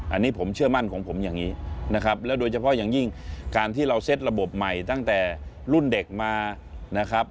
อันนี้ผมเชื่อมั่นของผมอย่างนี้นะครับแล้วโดยเฉพาะอย่างยิ่งการที่เราเซ็ตระบบใหม่ตั้งแต่รุ่นเด็กมานะครับ